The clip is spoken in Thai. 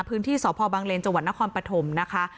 พื้นที่สบังเลนจนครปฐมนะคะ